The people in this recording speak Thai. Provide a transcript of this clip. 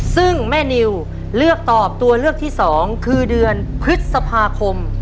ซึ่งแม่นิวเลือกตอบตัวเลือกที่๒คือเดือนพฤษภาคม